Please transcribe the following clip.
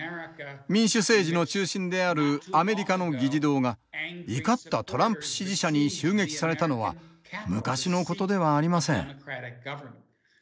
民主政治の中心であるアメリカの議事堂が怒ったトランプ支持者に襲撃されたのは昔のことではありません。